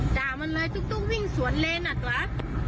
จ่ามันเลยตุ๊กตุ๊กวิ่งสวนเลนอะตรา